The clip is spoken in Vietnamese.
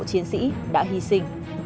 chiến sĩ đã hy sinh